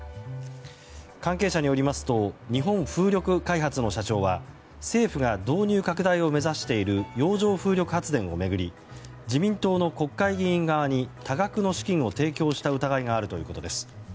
関係者によりますと日本風力開発の社長は政府が導入拡大を目指している洋上風力発電を巡り自民党の国会議員側に多額の資金を提供した疑いがあるということです。